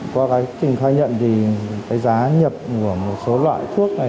qua quá trình khai nhận thì cái giá nhập của một số loại thuốc này